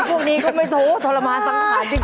พวกนี้ก็ไม่ทุกข์ทรมานสำหรับจริง